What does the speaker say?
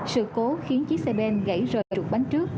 sự cố khiến chiếc xe bên gãy rời trục bánh trước